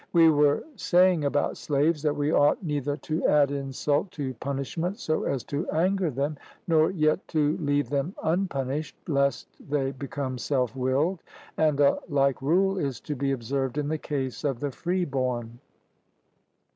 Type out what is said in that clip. We were saying about slaves, that we ought neither to add insult to punishment so as to anger them, nor yet to leave them unpunished lest they become self willed; and a like rule is to be observed in the case of the free born.